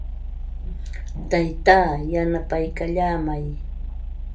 Taytaa yanapaykallaamay.